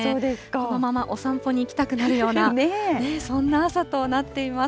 このままお散歩に行きたくなるような、そんな朝となっています。